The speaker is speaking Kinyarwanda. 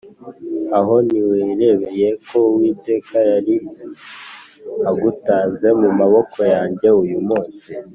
Aho ntiwirebeye ko Uwiteka yari agutanze mu maboko yanjye uyu munsi